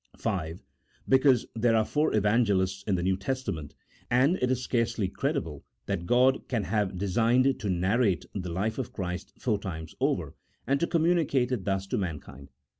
V. Lastly, because there are four Evangelists in the New Testament, and it is scarcely credible that God can have designed to narrate the life of Christ four times over, and to communicate it thus to mankind.